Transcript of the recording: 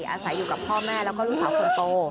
อาศัยอยู่กับพ่อแม่แล้วก็ลูกสาวคนโต